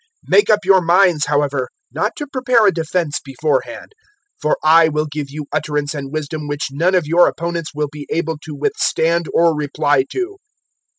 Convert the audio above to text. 021:014 "Make up your minds, however, not to prepare a defence beforehand, 021:015 for I will give you utterance and wisdom which none of your opponents will be able to withstand or reply to.